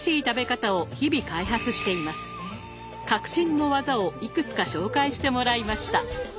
革新の技をいくつか紹介してもらいました。